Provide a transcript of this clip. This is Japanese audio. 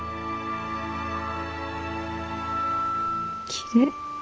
きれい。